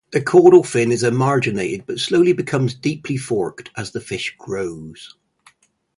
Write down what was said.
The caudal fin is emarginate but slowly becomes deeply forked as the fish grows.